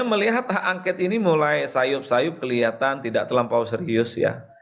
saya melihat hak angket ini mulai sayup sayup kelihatan tidak terlampau serius ya